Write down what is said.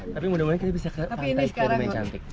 tapi mudah mudahan kita bisa ke pantai